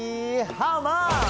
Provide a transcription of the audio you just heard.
ハウマッチ！